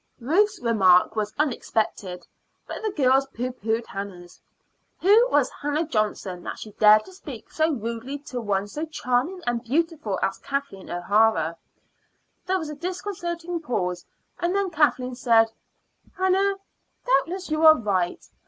Ruth's remark was unexpected, but the girls pooh poohed Hannah's. Who was Hannah Johnson that she dared to speak so rudely to one so charming and beautiful as Kathleen O'Hara? There was a disconcerting pause, and then Kathleen said: "Hannah, doubtless you are right.